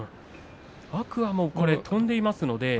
天空海も飛んでいます。